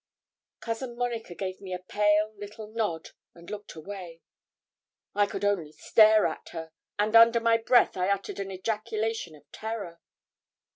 Cousin Monica gave me a pale little nod, and looked away. I could only stare at her; and under my breath I uttered an ejaculation of terror.